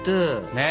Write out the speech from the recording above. ねえ。